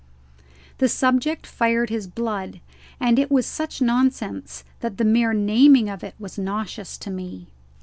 The subject fired his blood, and it was such nonsense that the mere naming of it was nauseous to me.